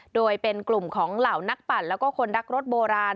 โดยเป็นกลุ่มของเหล่านักปั่นแล้วก็คนรักรถโบราณ